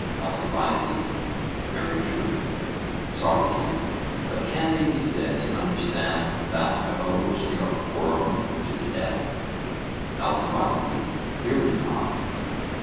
ALCIBIADES: Very true. SOCRATES: But can they be said to understand that about which they are quarrelling to the death? ALCIBIADES: Clearly not.